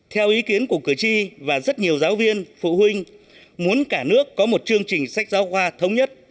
theo ý kiến của cử tri và rất nhiều giáo viên phụ huynh muốn cả nước có một chương trình sách giáo khoa thống nhất